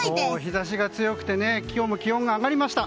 日差しが強くて今日も気温が上がりました。